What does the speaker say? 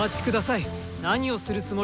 何をするつもりですか。